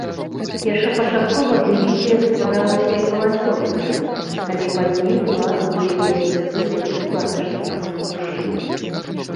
Першапачаткова дывізія стваралася як валанцёрская, але пазней была ўведзены прызыў для ўсіх латышскіх мужчын.